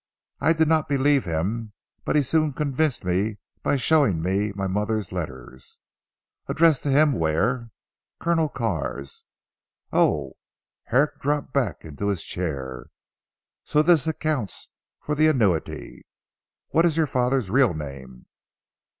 I did not believe him, but he soon convinced me by showing me my mother's letters. "Addressed to him where?" "Colonel Carr's." "Oh!" Herrick dropped back into his chair, "so this accounts for the annuity! What is your father's real name?"